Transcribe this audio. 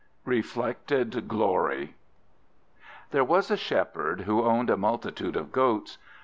Reflected Glory THERE was a Shepherd who owned a multitude of goats.